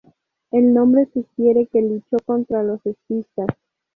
El nombre sugiere que luchó contra los escitas.